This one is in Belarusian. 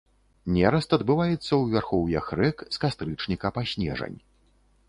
Нераст адбываецца ў вярхоўях рэк з кастрычніка па снежань.